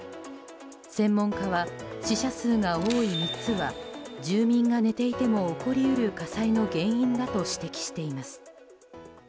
専門家は、死者数が多い３つは住民が寝ていても起こり得る火災の原因だと指摘しています。